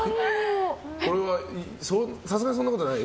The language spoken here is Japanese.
さすがにそんなことない？